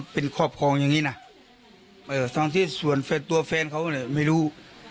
เป็นครอบครองอย่างนี้นะทั้งที่ส่วนตัวแฟนเขาเนี่ยไม่รู้